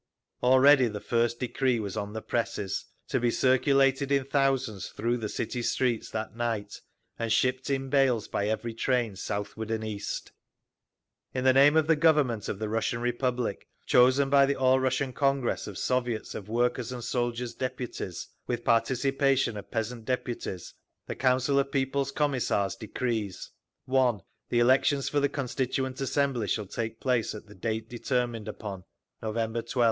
Already the first decree was on the presses, to be circulated in thousands through the city streets that night, and shipped in bales by every train southward and east: In the name of the Government of the Russian Republic, chosen by the All Russian Congress of Soviets of Workers' and Soldiers' Deputies with participation of peasant deputies, the Council of People's Commissars decrees: 1. The elections for the Constituent Assembly shall take place at the date determined upon—November 12.